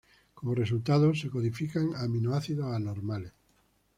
Como resultado, se codifican aminoácidos anormales.